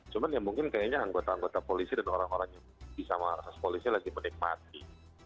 cuma ya mungkin kayaknya anggota anggota polisi dan orang orang yang bisa mengakses polisi lagi menikmati